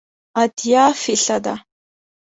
اتیا فیصده